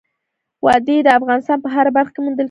وادي د افغانستان په هره برخه کې موندل کېږي.